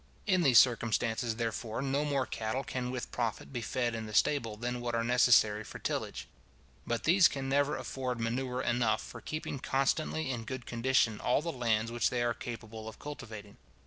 In these circumstances, therefore, no more cattle can with profit be fed in the stable than what are necessary for tillage. But these can never afford manure enough for keeping constantly in good condition all the lands which they are capable of cultivating.